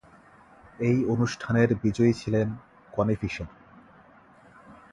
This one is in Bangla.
এই অনুষ্ঠানের বিজয়ী ছিলেন কনি ফিশার।